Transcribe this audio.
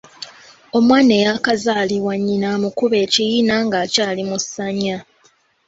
Omwana eyaakazaalibwa nnyina amukuba ekiyina nga akyali mu ssanya.